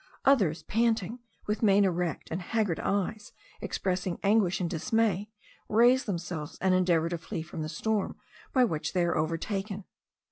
Others, panting, with mane erect, and haggard eyes expressing anguish and dismay, raise themselves, and endeavour to flee from the storm by which they are overtaken.